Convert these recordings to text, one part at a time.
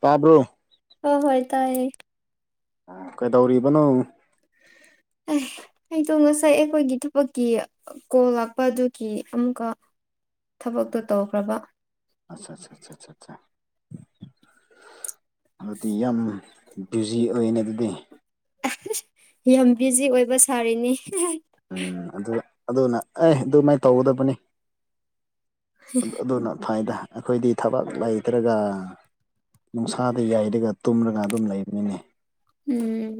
ꯇꯥꯕ꯭ꯔꯣ꯫ ꯍꯣ ꯍꯣꯏ ꯇꯥꯏꯌꯦ꯫ ꯀꯩꯗꯧꯔꯤꯕꯅꯣ꯫ ꯑꯦ ꯑꯩꯗꯣ ꯉꯁꯥꯏ ꯑꯩꯈꯣꯏꯒꯤ ꯊꯕꯛꯀꯤ ꯀꯣꯜ ꯂꯥꯛꯄ ꯑꯗꯨꯒꯤ ꯑꯃꯨꯛꯀ ꯊꯕꯛꯇꯣ ꯇꯧꯈ꯭ꯔꯕ꯫ ꯑꯆ ꯆ ꯆ ꯆ ꯆ ꯑꯗꯨꯗꯤ ꯌꯥꯝ ꯕꯤꯖꯤ ꯑꯣꯏꯌꯦꯅꯦ ꯑꯗꯨꯗꯤ꯫ ꯑꯦꯍꯦ ꯌꯥꯝ ꯕꯤꯖꯤ ꯑꯣꯏꯕ ꯁꯥꯔꯤꯅꯤ꯫ ꯎꯝ ꯑꯗꯨ ꯑꯗꯨꯅ ꯑꯦ ꯑꯗꯨꯃꯥꯏꯅ ꯇꯧꯒꯗꯕꯅꯦ꯫ ꯑ ꯑꯗꯨꯅ ꯐꯩꯗ ꯑꯩꯈꯣꯏꯗꯤ ꯊꯕꯛ ꯂꯩꯇ꯭ꯔꯒ ꯅꯨꯡꯁꯥꯗ ꯌꯥꯏꯔꯒ ꯇꯨꯝꯔꯒ ꯑꯗꯨꯝ ꯂꯩꯕꯅꯤꯅꯦ꯫ ꯎꯝ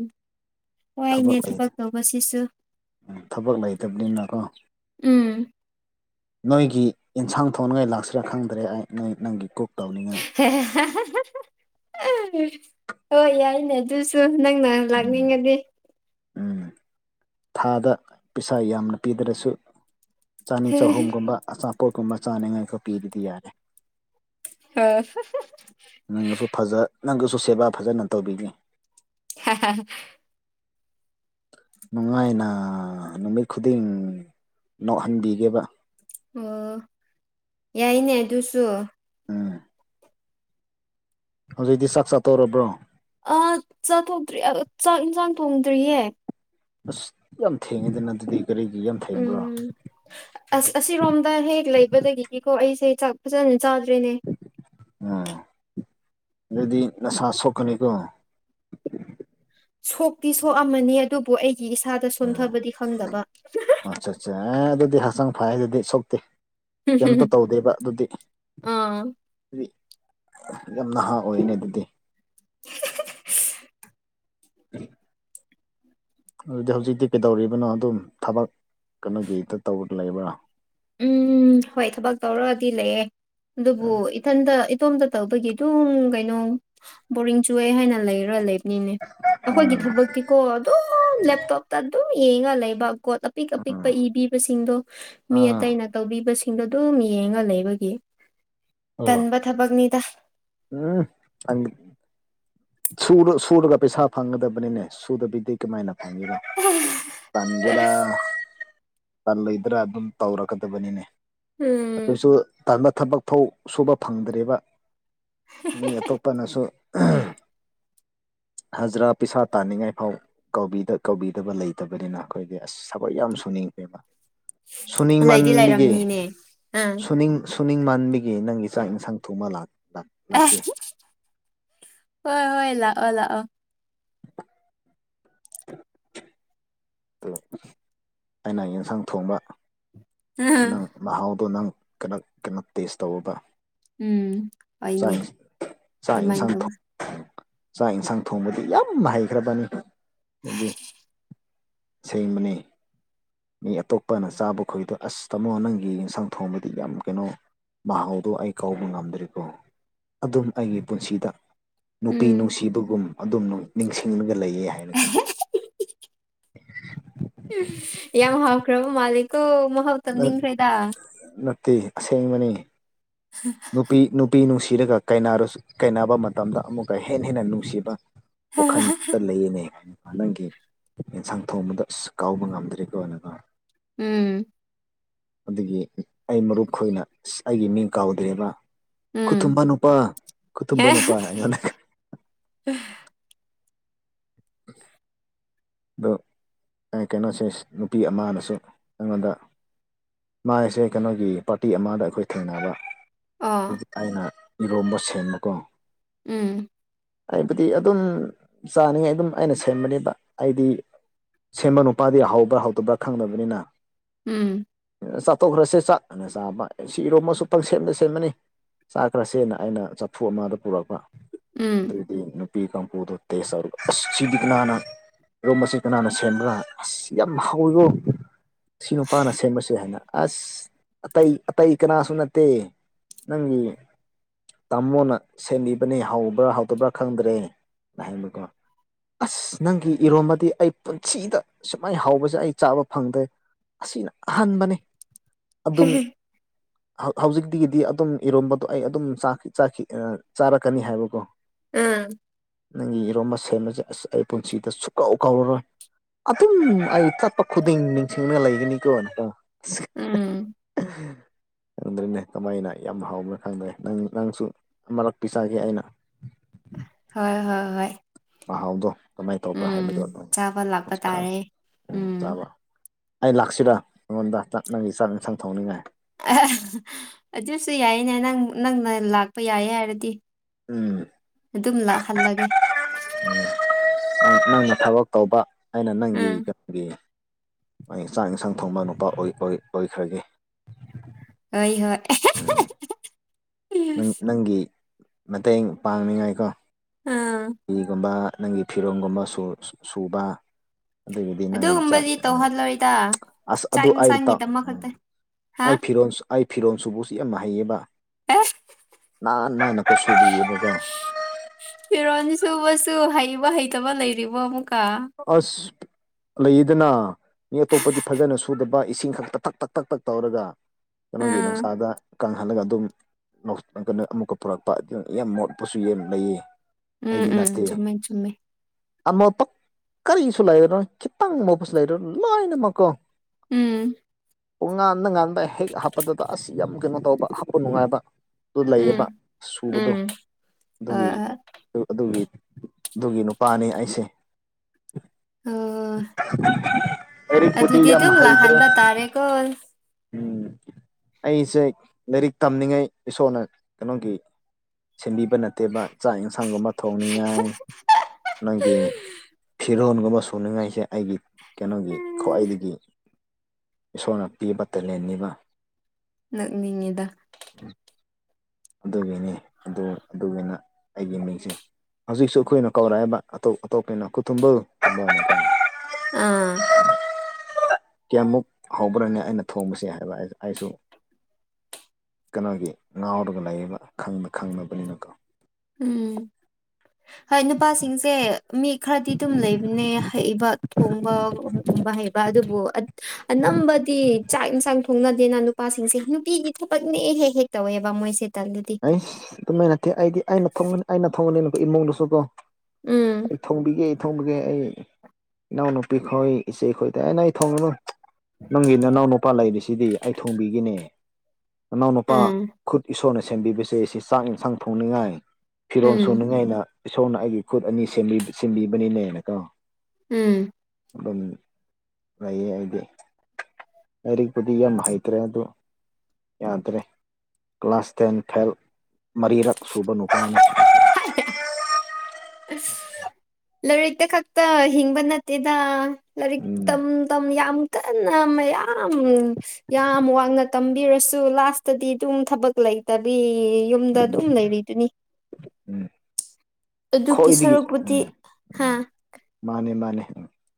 ꯋꯥꯏꯅꯦ ꯊꯕꯛ ꯇꯧꯕꯁꯤꯁꯨ꯫ ꯎꯝ ꯊꯕꯛ ꯂꯩꯇꯕꯅꯤꯅꯀꯣ꯫ ꯎꯝ꯫ ꯅꯣꯏꯒꯤ ꯏꯟꯁꯥꯡ ꯊꯣꯡꯅꯉꯥꯏ ꯂꯥꯛꯁꯤꯔꯥ ꯈꯪꯗ꯭ꯔꯦ ꯑꯩ ꯅꯣꯏ ꯅꯪꯒꯤ ꯀꯨꯛ ꯇꯧꯅꯤꯉꯥꯏ꯫ ꯍꯣꯏ ꯌꯥꯏꯅꯦ꯫ ꯗꯨꯁꯨ ꯅꯪꯅ ꯎꯝ ꯂꯥꯛꯅꯤꯡꯉꯗꯤ꯫ ꯎꯝ꯫ ꯊꯥꯗ ꯄꯩꯁꯥ ꯌꯥꯝꯅ ꯄꯤꯗ꯭ꯔꯁꯨ ꯆꯅꯤ ꯆꯍꯨꯝꯒꯨꯝꯕ ꯑꯆꯥꯄꯣꯠꯀꯨꯝꯕ ꯆꯥꯅꯤꯉꯥꯏꯀꯣ ꯄꯤꯕꯗꯤ ꯌꯥꯔꯦ꯫ ꯑ꯫ ꯅꯪꯒꯁꯨ ꯐꯖ ꯅꯪꯒꯁꯨ ꯁꯦꯕꯥ ꯐꯖꯅ ꯇꯧꯕꯤꯒꯦ꯫ ꯍꯥ ꯍꯥ꯫ ꯅꯨꯡꯉꯥꯏꯅ ꯅꯨꯃꯤꯠ ꯈꯨꯗꯤꯡ ꯅꯣꯛꯍꯟꯕꯤꯒꯦꯕ꯫ ꯑꯣ ꯌꯥꯏꯅꯦ ꯑꯗꯨꯁꯨ ꯎꯝ ꯍꯧꯖꯤꯛꯇꯤ ꯆꯥꯛ ꯆꯥꯇꯧꯔꯕ꯭ꯔꯣ ꯑꯥ ꯆꯥꯊꯣꯛꯇ꯭ꯔꯤ ꯆꯥꯛ ꯏꯟꯁꯥꯡ ꯊꯣꯡꯗ꯭ꯔꯤꯌꯦ ꯑꯁ ꯌꯥꯝ ꯊꯦꯡꯉꯦꯗꯅ ꯑꯗꯨꯗꯤ ꯀꯔꯤꯒꯤ ꯌꯥꯝ ꯊꯦꯡꯕ꯭ꯔꯥ ꯎꯝ ꯑꯁ ꯑꯁꯤꯔꯣꯝꯗ ꯍꯦꯛ ꯂꯩꯕꯗꯒꯤꯅꯤꯀꯣ ꯑꯩꯁꯦ ꯆꯥꯛ ꯐꯖꯅ ꯆꯥꯗ꯭ꯔꯦꯅꯦ ꯎꯝ ꯑꯗꯨꯗꯤ ꯅꯁꯥ ꯁꯣꯛꯀꯅꯤꯀꯣ ꯁꯣꯛꯇꯤ ꯁꯣꯛ ꯑꯃꯅꯤ ꯑꯗꯨꯕꯨ ꯑꯩꯒꯤ ꯏꯁꯥꯗ ꯎꯝ ꯁꯣꯟꯊꯕꯗꯤ ꯈꯪꯗꯕ ꯑꯠꯆꯥ ꯆꯥ ꯑꯦ ꯑꯗꯨꯗꯤ ꯍꯛꯆꯥꯡ ꯐꯩꯌꯦ ꯑꯗꯨꯗꯤ ꯁꯣꯛꯇꯦ ꯀꯦꯝꯇ ꯇꯧꯗꯦꯕ ꯑꯗꯨꯗꯤ ꯑꯥ ꯑꯗꯨꯗꯤ ꯌꯥꯝ ꯅꯍꯥ ꯑꯣꯏꯅꯦ ꯑꯗꯨꯗꯤ [unintelligible] [inaudible] ꯑꯗꯨꯗꯤ ꯍꯧꯖꯤꯛꯇꯤ ꯀꯩꯗꯧꯔꯤꯕꯅꯣ ꯑꯗꯨꯝ ꯊꯕꯛ ꯀꯩꯅꯣꯒꯤ ꯍꯦꯛꯇ ꯇꯧꯔ ꯂꯩꯕ꯭ꯔꯥ ꯎꯝ ꯍꯣꯏ ꯊꯕꯛ ꯇꯧꯔꯗꯤ ꯂꯩꯌꯦ ꯑꯗꯨꯕꯨ ꯎꯝ ꯏꯊꯟꯇ ꯏꯇꯣꯝꯇ ꯇꯧꯕꯒꯤ ꯑꯗꯨꯝ ꯀꯩꯅꯣ ꯕꯣꯔꯤꯡ ꯆꯨꯑꯦ ꯍꯥꯏꯅ ꯂꯩꯔ ꯂꯩꯕ ꯅꯤꯅꯦ ꯑꯩꯈꯣꯏꯒꯤ ꯊꯕꯛꯇꯤꯀꯣ ꯑꯗꯨꯝ ꯂꯦꯞꯇꯣꯞꯇ ꯑꯗꯨꯝ ꯌꯦꯡꯉ ꯂꯩꯕ ꯄꯤꯛ ꯎꯝ ꯑꯄꯤꯛꯄ ꯏꯕꯤꯕꯁꯤꯡꯗꯣ ꯃꯤ ꯎꯝ ꯑꯇꯩꯅ ꯇꯧꯕꯤꯕꯁꯤꯡꯗꯣ ꯑꯗꯨꯝ ꯌꯦꯡꯉ ꯂꯩꯕꯒꯤ ꯇꯟꯕ ꯊꯕꯛꯅꯤꯗ ꯎꯝ ꯁꯨꯔ ꯁꯨꯔꯒ ꯄꯩꯁꯥ ꯐꯪꯒꯗꯕꯅꯤꯅꯦ ꯁꯨꯗꯕꯤꯗꯤ ꯀꯃꯥꯏꯅ ꯐꯪꯒꯦꯔ ꯇꯟꯒꯦꯔꯥ ꯇꯜꯂꯣꯏꯗ꯭ꯔꯥ ꯑꯗꯨꯝ ꯇꯧꯔꯛꯀꯗꯕꯅꯤꯅꯦ ꯎꯝ ꯑꯗꯨꯁꯨ ꯇꯟꯕ ꯊꯕꯛ ꯐꯧ ꯁꯨꯕ ꯐꯪꯗ꯭ꯔꯦꯕ ꯃꯤ ꯑꯇꯣꯞꯄꯅꯁꯨ ꯍꯖꯔꯥ ꯄꯩꯁꯥ ꯇꯥꯅꯤꯡꯉꯥꯏ ꯐꯥꯎ ꯀꯧꯕꯤꯗ ꯀꯧꯕꯤꯗꯕ ꯂꯩꯇꯕꯅꯤꯅ ꯑꯩꯈꯣꯏꯗꯤ ꯑꯁ ꯊꯕꯛ ꯌꯥꯝ ꯁꯨꯅꯤꯡꯉꯑꯦꯕ ꯂꯩꯗꯤ ꯁꯨꯅꯤꯡꯃꯟꯕꯒꯤ ꯂꯩꯔꯝꯅꯤꯅꯦ ꯑꯥ ꯁꯨꯅꯤꯡ ꯁꯨꯅꯤꯡꯃꯟꯕꯒꯤ ꯅꯪꯒꯤ ꯆꯥꯛ ꯌꯦꯟꯁꯥꯡ ꯊꯣꯡꯕ ꯂꯥꯛꯄ꯭ꯔꯥ ꯑꯁ ꯍꯣꯏ ꯍꯣꯏ ꯂꯥꯛꯑꯣ ꯂꯥꯛꯑꯣ ꯑꯗꯨ ꯑꯩꯅ ꯌꯦꯟꯁꯥꯡ ꯊꯣꯡꯕ ꯅꯪ ꯃꯍꯥꯎꯗꯣ ꯅꯪ ꯀꯩꯅꯣ ꯀꯩꯅꯣ ꯇꯦꯁ ꯇꯧꯑꯣꯕ ꯎꯝ ꯆꯥꯛ ꯍꯣꯏꯅꯦ ꯏꯟ ꯆꯥꯛ ꯑꯗꯨꯃꯥꯏꯅ ꯏꯟꯁꯥꯡ ꯊꯣ ꯇꯧꯕ ꯆꯥꯛ ꯌꯦꯟꯁꯥꯡ ꯊꯣꯡꯕꯗꯤ ꯌꯥꯝꯅ ꯍꯩꯈ꯭ꯔꯕꯅꯤ ꯑꯩꯗꯤ ꯁꯦꯡꯕꯅꯦ ꯃꯤ ꯑꯇꯣꯞꯄꯅ ꯆꯥꯕ ꯈꯣꯏꯗꯣ ꯑꯁ ꯇꯥꯃꯣ ꯅꯪꯒꯤ ꯏꯟꯁꯥꯡ ꯊꯣꯡꯕꯗꯤ ꯌꯥꯝ ꯀꯩꯅꯣ ꯃꯍꯥꯎꯗꯣ ꯑꯩ ꯀꯧꯕꯥꯎꯕ ꯉꯝꯗ꯭ꯔꯦꯀꯣ ꯑꯗꯨꯝ ꯑꯩꯒꯤ ꯄꯨꯟꯁꯤꯗ ꯅꯨꯄꯤ ꯎꯝ ꯅꯨꯡꯁꯤꯕꯒꯨꯝ ꯑꯗꯨꯝ ꯅꯤꯡꯁꯤꯡꯂꯒ ꯂꯩꯌꯦ ꯍꯥꯏꯔꯒ ꯏꯁ ꯌꯥꯝ ꯍꯥꯎꯈ꯭ꯔꯕ ꯃꯥꯂꯤꯀꯣ ꯃꯍꯥꯎ ꯅꯠ ꯇꯝꯅꯤꯡꯈ꯭ꯔꯦꯗ ꯅꯠꯇꯦ ꯑꯁꯦꯡꯕꯅꯤ ꯅꯨꯄꯤ ꯅꯨꯄꯤ ꯅꯨꯡꯁꯤꯔꯒꯔ ꯀꯥꯏꯅꯔꯁꯨ ꯀꯥꯏꯅꯕ ꯃꯇꯝꯗ ꯑꯃꯨꯛꯀ ꯍꯦꯟꯅ ꯍꯦꯟꯅ ꯅꯨꯡꯁꯤꯕ ꯋꯥꯈꯜꯗꯨꯇ ꯂꯩꯌꯦꯅꯦ ꯅꯪꯒꯤ ꯌꯦꯟꯁꯥꯡ ꯊꯣꯡꯕꯗ ꯑꯁ ꯀꯥꯎꯕ ꯉꯝꯗ꯭ꯔꯦꯀꯣ [unintelligible] ꯎꯝ ꯑꯗꯨꯒꯤ ꯑꯩ ꯃꯔꯨꯞ ꯈꯣꯏꯅ ꯁꯤ ꯑꯩꯒꯤ ꯃꯤꯡ ꯀꯥꯎꯗ꯭ꯔꯦꯕ ꯎꯝ ꯈꯨꯊꯨꯝꯕ ꯅꯨꯄꯥ ꯈꯨꯊꯨꯝꯕ ꯍꯦ ꯅꯨꯄꯥ ꯑꯩꯉꯣꯟꯗ [inaudible] ꯗꯣ ꯑꯩ ꯀꯩꯅꯣꯁꯦ ꯅꯨꯄꯤ ꯑꯃꯅꯁꯨ ꯑꯩꯉꯣꯟꯗ ꯃꯥꯥꯏꯁꯦ ꯀꯩꯅꯣꯒꯤ ꯄꯥꯔꯇꯤ ꯑꯃꯗ ꯑꯩꯈꯣꯏ ꯊꯦꯡꯅꯕ ꯑꯣ ꯑꯩꯅ ꯏꯔꯣꯝꯕ ꯁꯦꯝꯕꯀꯣ ꯎꯝ ꯑꯩꯕꯨꯗꯤ ꯑꯗꯨꯝ ꯆꯥꯅꯤꯡꯉꯥꯏ ꯑꯗꯨꯝ ꯑꯩꯅ ꯁꯦꯝꯕꯅꯤꯕ ꯑꯩꯗꯤ ꯁꯦꯝꯕ ꯅꯨꯄꯥꯗꯤ ꯍꯥꯎꯕ꯭ꯔꯥ ꯍꯥꯎꯇꯕ꯭ꯔꯥ ꯈꯪꯗꯕꯅꯤꯅ ꯎꯝ ꯆꯥꯊꯣꯛꯈ꯭ꯔꯁꯦ ꯆꯥꯛ ꯑꯅ ꯆꯥꯕ ꯁꯤ ꯏꯔꯣꯝꯕꯁꯨ ꯄꯪ ꯁꯦꯝꯗ ꯁꯦꯝꯕꯅꯤ ꯆꯥꯈ꯭ꯔꯁꯦꯅ ꯑꯩꯅ ꯆꯐꯨ ꯑꯃꯗ ꯄꯨꯔꯛꯄ ꯎꯝ ꯑꯗꯨꯢꯗꯤ ꯅꯨꯄꯤ ꯀꯥꯡꯄꯨꯗꯨ ꯇꯦꯁ ꯇꯧꯔꯒ ꯑꯁ ꯁꯤꯗꯤ ꯀꯅꯥꯅ ꯏꯔꯣꯝꯕꯁꯦ ꯀꯅꯥꯅ ꯁꯦꯝꯕꯔꯥ ꯑꯁ ꯌꯥꯝ ꯍꯥꯎꯋꯤꯀꯣ ꯁꯤ ꯅꯨꯄꯥꯅ ꯁꯦꯝꯕꯁꯦ ꯍꯥꯏꯅ ꯑꯁ ꯑꯇꯩ ꯑꯇꯩ ꯀꯅꯥꯁꯨ ꯅꯠꯇꯦ ꯅꯪꯒꯤ ꯇꯥꯃꯣꯅ ꯁꯦꯝꯕꯤꯕꯅꯦ ꯍꯥꯎꯕ꯭ꯔꯥ ꯍꯥꯎꯇꯕ꯭ꯔꯥ ꯈꯪꯗ꯭ꯔꯦꯅ ꯍꯥꯏꯕꯀꯣ ꯑꯁ ꯅꯪꯒꯤ ꯏꯔꯣꯝꯕꯗꯤ ꯑꯩ ꯄꯨꯟꯁꯤꯗ ꯁꯨꯃꯥꯏ ꯍꯥꯎꯕꯁꯦ ꯑꯩ ꯆꯥꯕ ꯐꯪꯗꯦ ꯑꯁꯤꯅ ꯑꯍꯟꯥꯕꯅꯦ ꯑꯗꯨꯝ [inaudible] ꯍꯥꯎ ꯍꯧꯖꯤꯛꯗꯤꯒꯤꯗꯤ ꯑꯗꯨꯝ ꯏꯔꯣꯝꯕꯗꯣ ꯑꯩ ꯑꯗꯨꯝ ꯆꯥ ꯆꯥꯈꯤ ꯑꯥ ꯆꯥꯔꯛꯀꯅꯤ ꯍꯥꯏꯕꯀꯣ ꯎꯝ ꯅꯪꯒꯤ ꯏꯔꯣꯝꯕ ꯁꯦꯝꯕꯁꯦ ꯑꯁ ꯑꯩ ꯄꯨꯟꯁꯤꯗ ꯁꯨ ꯀꯧ ꯀꯧꯔꯔꯣꯏ ꯑꯗꯨꯝ ꯑꯩ ꯆꯠꯄ ꯈꯨꯗꯤꯡ ꯅꯤꯡꯁꯤꯡꯔꯒ ꯂꯩꯒꯅꯤꯀꯣ ꯎꯝ [unintelligible] ꯈꯪꯗ꯭ꯔꯦꯅꯦ ꯀꯃꯥꯏꯅ ꯌꯥꯝ ꯍꯥꯎꯕꯔꯣ ꯈꯪꯗꯦ ꯅꯪ ꯅꯪꯁꯨ ꯑꯃꯔꯛ ꯄꯤꯖꯒꯦ ꯑꯩꯅ ꯍꯣꯏ ꯍꯣꯏ ꯍꯣꯏ ꯃꯍꯥꯎꯗꯣ ꯀꯃꯥꯏꯅ ꯇꯧꯕ꯭ꯔꯥ ꯎꯝ ꯍꯥꯏꯕꯗꯣ ꯑꯥ ꯆꯥꯕ ꯂꯥꯛꯄ ꯑꯆ ꯈꯥ ꯇꯥꯔꯦ ꯑꯪ ꯎꯝ ꯆꯥꯕ ꯑꯩ ꯂꯥꯛꯁꯤꯔꯥ ꯅꯉꯣꯟꯗ ꯆꯥꯛ ꯅꯪꯒꯤ ꯆꯥꯛ ꯏꯟꯁꯥꯡ ꯊꯣꯡꯅꯤꯡꯉꯥꯏ ꯑꯗꯨꯁꯨ ꯌꯥꯏꯌꯦꯅꯦ ꯅꯪ ꯅꯪꯅ ꯂꯥꯛꯄ ꯌꯥꯏꯌꯦ ꯍꯥꯏꯔꯗꯤ ꯎꯝ ꯑꯗꯨꯝ ꯂꯥꯛꯍꯜꯂꯒꯦ ꯎꯝ ꯅꯪꯅ ꯊꯕꯛ ꯇꯧꯕ ꯑꯩꯅ ꯅꯪꯒꯤ ꯎꯝ ꯀꯩꯅꯣꯒꯤ ꯑꯣꯢ ꯆꯥꯛ ꯏꯟꯁꯥꯡ ꯊꯣꯡꯕ ꯅꯨꯄꯥ ꯑꯣꯢ ꯑꯣꯢ ꯑꯣꯏꯈ꯭ꯔꯒꯦ ꯍꯣꯏ ꯍꯣꯏ ꯅꯪ ꯅꯪꯒꯤ ꯃꯇꯦꯡ ꯄꯥꯡꯅꯤꯡꯉꯥꯏꯀꯣ ꯑꯥ ꯐꯤꯒꯨꯝꯕ ꯅꯪꯒꯤ ꯐꯤꯔꯣꯟꯒꯨꯝꯕ ꯁꯨ ꯁꯨꯕ ꯑꯗꯨꯒꯤꯗꯤ ꯅꯪꯒꯤ ꯆꯥꯛ ꯑꯗꯨꯒꯨꯝꯕꯗꯤ ꯑꯥ ꯇꯧꯍꯜꯂꯣꯏꯗ ꯑꯁ ꯆꯥꯛ ꯑꯗꯨ ꯑꯩ ꯇꯥ ꯏꯟꯁꯥꯡꯒꯤꯗꯃꯛ ꯑꯥ ꯈꯛꯇ ꯍꯥ ꯑꯩ ꯐꯤꯔꯣꯟ ꯁꯨ ꯑꯩ ꯐꯤꯔꯣꯟ ꯁꯨꯕꯁꯤ ꯌꯥꯝ ꯍꯩꯌꯦꯕ [unintelligible] ꯐꯤꯔꯣꯟ ꯁꯨꯕꯁꯨ ꯍꯩꯕ ꯍꯩꯇꯕ ꯂꯩꯔꯤꯕꯣ ꯑꯃꯨꯛꯀ ꯑꯁ ꯂꯩꯌꯦꯗꯅ ꯃꯤ ꯑꯇꯣꯞꯄꯗꯤ ꯐꯖꯅ ꯁꯨꯗꯕ ꯏꯁꯤꯡ ꯈꯛꯇ ꯇꯛ ꯇꯛ ꯇꯛ ꯇꯛ ꯇꯧꯔꯒ ꯀꯩꯅꯣꯒꯤ ꯑꯥ ꯅꯨꯡꯁꯥꯗ ꯀꯪꯍꯜꯂꯒ ꯑꯗꯨꯝ ꯀꯩꯅꯣ ꯑꯃꯨꯛꯀ ꯄꯨꯔꯛꯄ ꯑꯗꯨ ꯌꯥꯝ ꯃꯣꯠꯄꯁꯨ ꯂꯩꯌꯦ ꯎꯝ ꯑꯩꯗꯤ ꯅꯠꯇꯦ ꯎꯝ ꯆꯨꯝꯃꯦ ꯆꯨꯝꯃꯦ ꯑꯃ ꯄꯛ ꯀꯔꯤꯁꯨ ꯂꯩꯔꯣꯏ ꯈꯤꯇꯪ ꯃꯣꯠꯄꯁꯨ ꯂꯩꯔꯣꯏ ꯂꯣꯏꯅꯃꯛꯀꯣ ꯎꯝ ꯄꯨ ꯉꯥꯟꯗ ꯉꯥꯟꯗ ꯍꯦꯛ ꯍꯥꯞꯄꯗꯨꯗ ꯑꯁ ꯌꯥꯝ ꯀꯩꯅꯣ ꯇꯧꯕ ꯍꯥꯞꯄ ꯅꯨꯡꯉꯥꯏꯕ ꯗꯨ ꯂꯩꯌꯦꯕ ꯎꯝ ꯁꯨꯕꯗꯣ ꯎꯝ ꯍꯣꯏ ꯑꯗꯨꯒꯤ ꯍꯣꯏ ꯑꯗꯨ ꯑꯗꯨꯒꯤ ꯑꯗꯨꯒꯤ ꯅꯨꯄꯥꯅꯦ ꯑꯩꯁꯦ ꯑꯣ [unintelligible] ꯂꯥꯏꯔꯤꯛꯄꯨꯗꯤ ꯌꯥꯝ ꯍꯩꯇ꯭ꯔꯦ ꯌꯥꯔꯦꯀꯣ ꯎꯝ ꯑꯩꯁꯦ ꯂꯥꯏꯔꯤꯛ ꯇꯝꯅꯤꯡꯉꯥꯏ ꯏꯁꯣꯔꯅ ꯀꯩꯅꯣꯒꯤ ꯁꯦꯝꯕꯤꯕ ꯅꯠꯇꯦꯕ ꯆꯥꯛ ꯏꯟꯁꯥꯡꯒꯨꯝꯕ ꯊꯣꯡꯅꯤꯡꯉꯥꯏ ꯅꯣꯏꯒꯤ ꯐꯤꯔꯣꯟꯒꯨꯝꯕ ꯁꯨꯅꯤꯡꯉꯥꯏꯁꯦ ꯑꯩꯒꯤ ꯀꯩꯅꯣꯒꯤ ꯎꯝ ꯈ꯭ꯋꯥꯏꯗꯒꯤ ꯏꯁꯣꯔꯅ ꯄꯤꯕ ꯇꯦꯂꯦꯟꯅꯦꯕ ꯅꯣꯛꯅꯤꯡꯉꯤꯗ ꯑꯗꯨꯒꯤꯅꯦ ꯑꯗꯨ ꯑꯗꯨꯒꯤꯅ ꯑꯩꯒꯤ ꯃꯤꯡꯁꯦ ꯍꯧꯖꯤꯛꯁꯨ ꯑꯩꯈꯣꯏꯅ ꯀꯧꯔꯛꯑꯦꯕ ꯑꯇꯣꯞ ꯑꯇꯣꯞꯄꯅ ꯈꯨꯊꯨꯝꯕꯧ [unintelligible] ꯑ ꯀꯤꯌꯥꯝꯃꯨꯛ ꯍꯥꯎꯕ꯭ꯔꯅꯦ ꯑꯩꯅ ꯊꯣꯡꯕꯁꯦ ꯍꯥꯏꯕ ꯑꯩꯁꯨ ꯀꯅꯣꯒꯤ ꯉꯥꯎꯔꯒ ꯂꯩꯌꯦꯕ ꯈꯪꯅ ꯈꯪꯅꯕꯅꯤꯅꯀꯣ ꯎꯝ ꯍꯣꯏ ꯅꯨꯄꯥꯁꯤꯡꯁꯦ ꯃꯤ ꯈꯔꯗꯤ ꯑꯗꯨꯝ ꯂꯩꯕꯅꯦ ꯍꯩꯕ ꯊꯣꯡꯕ ꯒꯨꯝꯕ ꯍꯩꯕ ꯑꯗꯨꯕꯨ ꯑꯅꯝꯕꯗꯤ ꯆꯥꯛ ꯏꯟꯁꯥꯡ ꯊꯣꯡꯅꯗꯦꯅ ꯅꯨꯄꯥ ꯁꯤꯡꯁꯦ ꯅꯨꯄꯤꯒꯤ ꯊꯕꯛꯅꯦ ꯍꯦꯛ ꯍꯦꯛ ꯇꯧꯋꯦꯕ ꯃꯣꯏꯁꯦ ꯇꯜꯂꯗꯤ ꯑꯩꯁ ꯑꯗꯨꯝꯃꯥꯏ ꯅꯠꯇꯦ ꯑꯩꯗꯤ ꯑꯩꯅ ꯊꯣꯡꯒꯅꯤ ꯑꯩꯅ ꯊꯣꯡꯒꯅꯤꯅꯀꯣ ꯏꯃꯨꯡꯗꯨꯁꯨ ꯀꯣ ꯑꯩ ꯎꯝ ꯊꯣꯡꯕꯤꯒꯦ ꯊꯣꯡꯕꯤꯒꯦ ꯑꯩ ꯏꯅꯥꯎꯅꯨꯄꯤ ꯈꯣꯏ ꯏꯆꯦ ꯈꯣꯏꯗ ꯑꯦ ꯅꯣꯏ ꯊꯣꯡꯔꯨꯅꯨ ꯅꯪꯒꯤ ꯅꯅꯥꯎ ꯅꯨꯄꯥ ꯂꯩꯔꯤꯁꯤꯗꯤ ꯑꯩ ꯊꯣꯡꯕꯤꯒꯦꯅꯦ ꯅꯅꯥꯎꯅꯨꯄꯥ ꯎꯝ ꯈꯨꯠ ꯏꯁꯣꯔꯅ ꯁꯦꯝꯕꯤꯕꯁꯦ ꯁꯤ ꯆꯥꯛ ꯏꯟꯁꯥꯡ ꯊꯣꯡꯅꯤꯉꯥꯏ ꯐꯤꯔꯣꯜ ꯎꯝ ꯁꯨꯅꯤꯡꯉꯥꯏꯅ ꯏꯁꯣꯔꯅ ꯑꯩꯒꯤ ꯈꯨꯠ ꯑꯅꯤ ꯁꯦꯝꯕꯤ ꯁꯦꯝꯕꯤꯕꯅꯤꯅꯦ ꯀꫭ ꯎꯝ ꯑꯗꯨꯝ ꯂꯩꯌꯦ ꯑꯩꯗꯤ ꯂꯥꯏꯔꯤꯛꯄꯨꯗꯤ ꯌꯥꯝ ꯍꯩꯇ꯭ꯔꯦ ꯑꯗꯣ ꯌꯥꯗ꯭ꯔꯦ ꯀ꯭ꯂꯥꯁ ꯇꯦꯟ ꯐꯦꯜ ꯃꯔꯤꯔꯛ ꯁꯨꯕ ꯅꯨꯄꯥꯅꯦ [unintelligible] [unintelligible] ꯂꯥꯏꯔꯤꯛꯇ ꯈꯛꯇ ꯍꯤꯡꯕ ꯅꯠꯇꯦꯗ ꯂꯔꯤꯛ ꯎꯝ ꯇꯝ ꯇꯝ ꯌꯥꯝ ꯀꯟꯅ ꯃꯌꯥꯝ ꯌꯥꯝ ꯋꯥꯡꯅ ꯇꯝꯕꯤꯔꯁꯨ ꯂꯥꯁꯇꯗꯤ ꯑꯗꯨꯝ ꯊꯕꯛ ꯂꯩꯇꯕꯤ ꯌꯨꯝꯗ ꯑꯗꯨꯝ ꯂꯩꯔꯤꯗꯨꯅꯤ ꯎꯝ ꯑꯗꯨꯒꯤ ꯁꯔꯨꯛꯄꯨꯗꯤ ꯍꯥ ꯃꯥꯟꯅꯦ ꯃꯥꯟꯅꯦ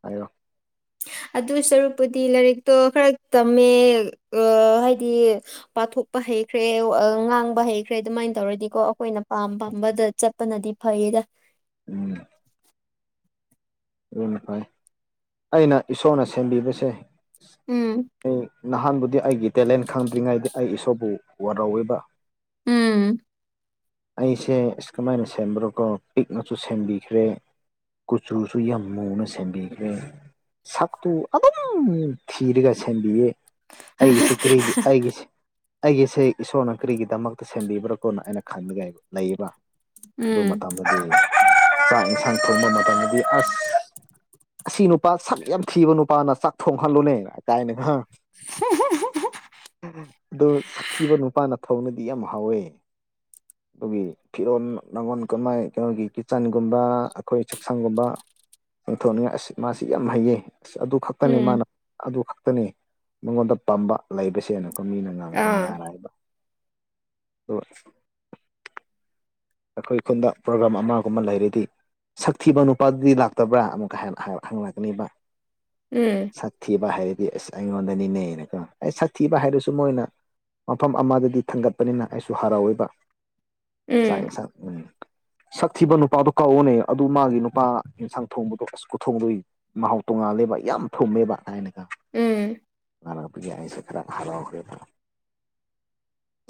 ꯍꯥꯏꯔꫭ ꯑꯗꯨ ꯁꯔꯨꯛꯄꯨꯗꯤ ꯂꯥꯏꯔꯤꯛꯇꯣ ꯈꯔ ꯇꯝꯃꯦ ꯑ ꯍꯥꯏꯗꯤ ꯄꯥꯊꯣꯛꯄ ꯍꯩꯈ꯭ꯔꯦ ꯑ ꯉꯥꯡꯕ ꯍꯩꯈ꯭ꯔꯦ ꯑꯗꯨꯝꯃꯥꯏꯟ ꯇꯧꯔꯗꯤꯀꯣ ꯑꯈꯣꯏꯅ ꯄꯥꯝ ꯄꯥꯝꯕꯗ ꯆꯠꯄꯅꯗꯤ ꯐꯩꯌꯦꯗ ꯎꯝ ꯑꯗꯨꯅ‌ ꯐꯩ ꯑꯩꯅ ꯏꯁꯣꯔꯅ ꯁꯦꯝꯕꯤꯕꯁꯦ ꯎꯝ ꯑꯩ ꯅꯍꯥꯟꯕꯨꯗꯤ ꯑꯩꯒꯤ ꯇꯦꯂꯦꯟ ꯈꯪꯗ꯭ꯔꯤꯉꯩꯗꯤ ꯑꯩ ꯏꯁꯣꯔꯕꯨ ꯋꯥꯔꯧꯋꯦꯕ ꯎꯝ ꯑꯩꯁꯦ ꯑꯁ ꯀꯃꯥꯏꯅ ꯁꯦꯝꯕ꯭ꯔꯣ ꯀꯣ ꯄꯤꯛꯅꯁꯨ ꯁꯦꯝꯕꯤꯈ꯭ꯔꯦ ꯀꯨꯆꯨꯁꯨ ꯌꯥꯝ ꯃꯨꯅ ꯁꯦꯝꯕꯤꯈ꯭ꯔꯦ ꯁꯛꯇꯨ ꯑꯗꯨꯝ ꯊꯤꯔꯒ ꯁꯦꯝꯕꯤꯌꯦ ꯑꯩꯒꯤꯁꯦ ꯀꯔꯤ ꯑꯩꯒꯤꯁꯦ ꯑꯩꯒꯤꯁꯦ ꯏꯁꯣꯔꯅ ꯀꯔꯤꯒꯤꯗꯃꯛꯇ ꯁꯦꯝꯕꯤꯕ꯭ꯔꯣ ꯀꯣꯅꯣ ꯑꯩꯅ ꯈꯟꯕꯒꯤ ꯂꯩꯌꯦꯕ ꯑꯗꯨ ꯎꯝ ꯃꯇꯝꯗꯗꯤ ꯆꯥꯛ ꯢꯟꯁꯥꯡ ꯊꯣꯡꯕ ꯃꯇꯝꯗꯗꯤ ꯑꯁ ꯑꯁꯤ ꯅꯨꯄꯥ ꯁꯛ ꯌꯥꯝ ꯊꯤꯕ ꯅꯨꯄꯥꯅ ꯆꯥꯛ ꯊꯣꯡꯍꯜꯂꯨꯅꯦ ꯀꯥꯏꯅ ꯉꯥꯏꯉꯛ ꯑꯗꯨ ꯁꯛꯊꯤꯕ ꯅꯨꯄꯥꯅ ꯊꯣꯡꯔꯗꯤ ꯌꯥꯝ ꯍꯥꯎꯋꯦ ꯑꯗꯨꯣꯏꯒꯤ ꯐꯤꯔꯣꯜ ꯅꯥꯉꯣꯟ ꯀꯃꯥꯏ ꯀꯩꯅꯣꯒꯤ ꯀꯤꯆꯟꯒꯨꯝꯕ ꯑꯩꯈꯣꯏ ꯆꯥꯛꯁꯪꯒꯨꯝꯕ ꯆꯤꯡꯊꯣꯛꯅꯤꯡꯉꯥꯏ ꯑꯁ ꯃꯥꯁꯤ ꯌꯥꯝ ꯍꯩꯌꯦ ꯑꯁ ꯑꯗꯨ ꯈꯛꯇꯅꯤ ꯎꯝ ꯃꯥꯅ ꯑꯗꯨ ꯈꯛꯇꯅꯤ ꯃꯉꯣꯟꯗ ꯄꯥꯝꯕ ꯂꯩꯕꯁꯦꯅ ꯀꯣ ꯑꯥ ꯃꯤꯅꯥꯡꯅꯥꯥꯏꯔꯑꯕ ꯑꯗꯨꯒ ꯑꯩꯈꯣꯏ ꯈꯨꯟꯗ ꯄ꯭ꯔꯣꯒꯥ꯭ꯔꯥꯝ ꯑꯃꯒꯨꯝꯕ ꯂꯩꯔꯗꯤ ꯁꯛꯊꯤꯕ ꯅꯨꯄꯥꯗꯨꯗꯤ ꯂꯥꯛꯇꯕ꯭ꯔꯥ ꯑꯃꯨꯛꯀ ꯍꯟꯅ ꯍꯪꯅꯛꯀꯅꯤꯕ ꯎꯝ ꯁꯥꯊꯤꯕ ꯍꯥꯏꯔꯗꯤ ꯑꯁ ꯑꯩꯉꯣꯟꯗꯅꯤꯅꯦꯅꯀꯣ ꯑꯩ ꯁꯥꯊꯤꯕ ꯍꯥꯏꯔꯁꯨ ꯃꯣꯏꯅ ꯃꯐꯝ ꯑꯃꯗꯗꯤ ꯊꯥꯡꯒꯠꯄꯅꯤꯅ ꯑꯩꯁꯨ ꯍꯔꯥꯎꯋꯦꯕ ꯆꯏꯦ ꯎꯝ ꯁꯥꯠ ꯃꯤꯅꯤ ꯁꯛ ꯊꯤꯕ ꯅꯨꯄꯥꯗꯣ ꯀꯧꯑꯣꯅꯦ ꯑꯗꯨ ꯃꯥꯒꯤ ꯅꯨꯄꯥ ꯌꯦꯟꯁꯥꯡ ꯊꯣꯡꯕꯗꯣ ꯑꯁ ꯀꯊꯣꯡꯗꯣꯏ ꯃꯍꯥꯎ ꯇꯣꯡꯉꯥꯜꯂꯦꯕ ꯌꯥꯝ ꯊꯨꯝꯃꯦꯕ ꯍꯥꯏꯥꯏꯅ ꯀ ꯎꯝ ꯃꯔꯥꯡ ꯄꯤ ꯑꯅꯤꯁꯦ ꯈꯔꯞ ꯍꯔꯥꯎ ꯍ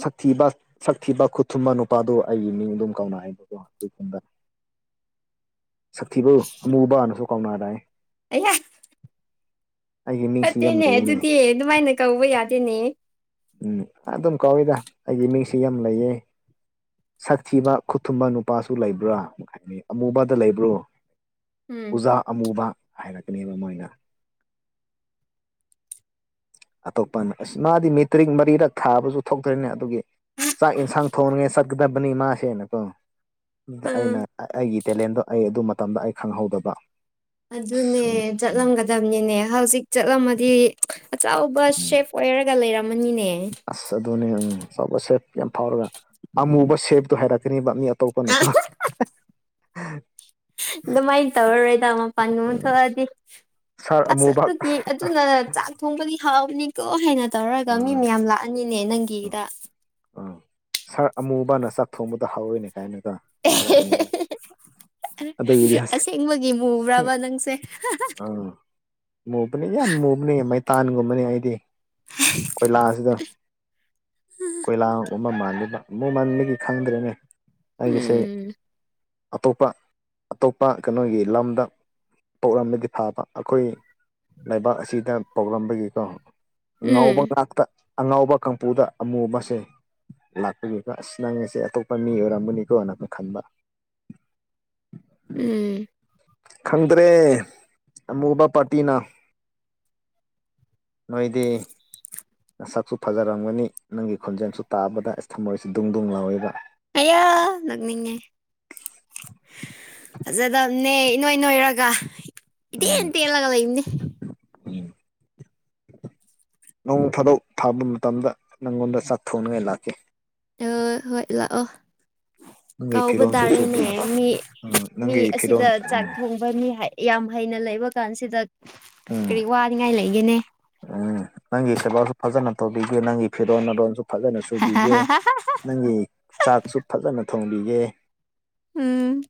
ꯁꯛꯊꯤꯕ ꯁꯛꯊꯤꯕ ꯈꯨꯠꯊꯨꯝꯕ ꯅꯨꯄꯥꯗꯨ ꯑꯩꯒꯤ ꯃꯤꯡ ꯑꯗꯨꯝ ꯀꯧꯅ ꯍꯥꯏꯕꯗꯣ ꯑꯩꯈꯗ ꯁꯛꯊꯤꯕ ꯑꯃꯨꯕꯅꯁꯨ ꯀꯥꯎꯅꯨ ꯑꯗꯥꯥꯏ ꯑꯌꯥ ꯃꯤꯡꯁꯤ ꯌꯥꯝ ꯐꯠꯇꯦꯅꯦ ꯂꯩꯌꯦꯅꯦ ꯑꯗꯨꯗꯤ ꯑꯗꯨꯃꯥꯏꯅ ꯀꯧꯕ ꯌꯥꯗꯦꯅꯦ ꯎꯝ ꯑꯗꯨꯝ ꯀꯧꯏꯗ ꯑꯩꯒꯤ ꯃꯤꯡꯁꯦ ꯌꯥꯝ ꯂꯩꯌꯦ ꯁꯛꯊꯤꯕ ꯈꯨꯠ ꯊꯨꯝꯕ ꯅꯨꯄꯥꯁꯨ ꯂꯩꯕ꯭ꯔꯥ ꯍꯥꯏ ꯑꯃꯨꯕꯗꯨ ꯂꯩꯕ꯭ꯔꯣ ꯎꯝ ꯎꯖꯥ ꯑꯃꯨꯕ ꯍꯥꯏꯔꯛꯀꯅꯦꯕ ꯃꯣꯏꯅ ꯑꯇꯣꯞꯄꯅ ꯑꯁ ꯃꯥꯗꯤ ꯃꯦꯇ꯭ꯔꯤꯛ ꯃꯔꯤꯔꯛ ꯊꯥꯕꯁꯨ ꯊꯣꯛꯇ꯭ꯔꯤꯅꯦ ꯑꯗꯨꯒꯤ ꯆꯥꯛ ꯌꯦꯟꯁꯥꯡ ꯊꯣꯡꯉꯦ ꯆꯠꯀꯗꯕꯅꯤ ꯃꯥꯁꯦꯅꯀꯣ ꯑꯥ ꯑꯩꯅ ꯑꯩꯒꯤ ꯇꯦꯂꯦꯟꯗꯣ ꯑꯩ ꯑꯗꯨ ꯃꯇꯝꯗ ꯑꯩ ꯈꯪꯍꯧꯗꯕ ꯑꯗꯨꯅꯦ ꯑꯁ ꯎꯝ ꯎꯝ ꯆꯠꯂꯝꯒꯗꯕꯅꯤꯅꯦ ꯍꯧꯖꯤꯛ ꯆꯠꯂꯝꯃꯗꯤ ꯑꯆꯧꯕ ꯎꯝ ꯁꯦꯞ ꯑꯣꯏꯔꯒ ꯂꯩꯔꯝꯃꯅꯤꯅꯦ ꯑꯁ ꯑꯗꯨꯅꯦ ꯎꯝ ꯑꯆꯧꯕ ꯁꯦꯞ ꯌꯥꯝ ꯐꯥꯎꯔꯒ ꯑꯃꯨꯕ ꯁꯦꯞꯇꯣ ꯍꯥꯏꯔꯛꯀꯅꯦꯕ ꯇꯄꯅꯀꯣ ꯑꯗꯨꯃꯥꯏꯅ ꯇꯧꯔꯔꯣꯏꯗ ꯃꯄꯥꯟꯒꯨꯝꯕ ꯊꯣꯛꯑꯗꯤ ꯁꯥꯔ ꯑꯁ ꯑꯃꯨꯕ ꯑꯗꯨꯗꯤ ꯑꯗꯨꯅ ꯆꯥꯛ ꯊꯣꯡꯕꯗꯤ ꯍꯥꯎꯕꯅꯤꯀꯣ ꯍꯦꯟꯅ ꯇꯧꯔꯒ ꯃꯤ ꯃꯌꯥꯝ ꯂꯥꯛꯑꯅꯤꯅꯦ ꯅꯪꯒꯤꯗ ꯁꯥꯔ ꯑꯃꯨꯕꯅ ꯆꯥꯛ ꯊꯣꯡꯕꯗꯣ ꯍꯧꯋꯤꯅꯦ ꯀꯥꯏꯅꯒ ꯍꯥꯏꯔꯛꯀꯅꯤ ꯑꯁꯦꯡꯕꯒꯤ ꯃꯨꯕ꯭ꯔꯕ ꯅꯪꯁꯦ ꯃꯨꯕꯅꯦ ꯌꯥꯝ ꯃꯨꯕꯅꯦ ꯃꯩꯇꯥꯟꯒꯨꯝꯕꯅꯦ ꯑꯩꯗꯤ [unintelligible] ꯀꯣꯏꯂꯥꯁꯁꯤꯗ ꯀꯣꯏꯂꯥ ꯒꯨꯝꯕꯥ ꯃꯥꯟꯜꯂꯤꯕ ꯃꯨꯃꯟꯕꯥꯒꯤ ꯈꯪꯗ꯭ꯔꯦꯅꯦ ꯑꯩꯒꯤꯁꯦ ꯎꯝ ꯑꯇꯣꯞꯄ ꯑꯇꯣꯞꯄ ꯀꯩꯅꯣꯒꯤ ꯂꯝꯗ ꯄꯣꯛꯂꯝꯕꯗꯤ ꯐꯥꯕ ꯑꯈꯣꯏ ꯂꯩꯕꯥꯛ ꯑꯁꯤꯗ ꯄꯣꯛꯂꯝꯕꯒꯤꯀꯣ ꯎꯝ ꯉꯥꯎꯕ ꯉꯥꯛꯇ ꯑꯉꯥꯎꯕ ꯀꯥꯡꯄꯨꯗ ꯑꯃꯨꯕꯁꯦ ꯂꯥꯛꯄꯒꯤꯀꯣ ꯑꯁ ꯅꯪꯉꯁꯦ ꯑꯇꯣꯞꯄ ꯃꯤ ꯑꯣꯏꯔꯝꯒꯅꯤꯀꯣꯅ ꯃꯨꯛ ꯈꯟꯕ ꯎꯝ ꯈꯪꯗ꯭ꯔꯦ ꯑꯃꯨꯕ ꯄꯥꯔꯇꯤꯅ ꯅꯣꯏꯗꯤ ꯅꯁꯛꯁꯨ ꯐꯖꯔꯝꯒꯅꯤ ꯅꯪꯒꯤ ꯈꯣꯟꯖꯦꯟꯁꯨ ꯇꯥꯕꯗ ꯑꯁ ꯊꯝꯃꯣꯏꯁꯤ ꯗꯨꯡ ꯗꯨꯡ ꯂꯥꯎꯏꯕ ꯑꯌꯥ ꯅꯣꯛꯅꯤꯡꯉꯦ ꯐꯖꯗꯝꯅꯦ ꯏꯅꯣꯏ ꯅꯣꯏꯔꯒ ꯏꯇꯦꯟ ꯎꯝ ꯇꯦꯜꯂꯒ ꯂꯩꯕꯅꯦ [unintelligible] ꯅꯣꯡ ꯐꯥꯗꯣꯛ ꯊꯥꯕ ꯃꯇꯝꯗ ꯅꯪꯉꯣꯟꯗ ꯆꯥꯛ ꯊꯣꯡꯅꯉꯥꯏ ꯂꯥꯛꯀꯦ [unintelligible] ꯍꯣꯏ ꯂꯥꯑꯣ ꯅꯪꯒꯤ ꯀꯥꯎꯕ ꯐꯤꯔꯣꯜꯁꯨ ꯇꯥꯔꯅꯦ ꯁꯨꯕꯤꯒꯦ ꯃꯤ ꯎꯝ ꯃꯤ ꯅꯪꯒꯤ ꯐꯤꯔꯣꯜ ꯑꯁꯤꯗ ꯆꯥꯛ ꯎꯝ ꯊꯣꯡꯕ ꯃꯤ ꯍꯩ ꯌꯥꯝ ꯍꯩꯅ ꯂꯩꯕ ꯀꯥꯟꯁꯤꯗ ꯎꯝ ꯀꯔꯤ ꯋꯥꯅꯤꯉꯥꯏ ꯂꯩꯒꯦꯅꯦ ꯎꯝ ꯅꯪꯒꯤ ꯁꯦꯕꯥꯁꯨ ꯐꯖꯅ ꯇꯧꯕꯤꯒꯦ ꯅꯪꯒꯤ ꯐꯤꯔꯣꯟ ꯃꯔꯣꯟꯖꯨ ꯐꯖꯅ ꯁꯨ ꯇꯨꯕꯤꯒꯦ ꯅꯪꯒꯤ ꯆꯥꯛꯁꯨ ꯐꯖꯅ ꯊꯣꯡꯕꯤꯒꯦ ꯎꯝ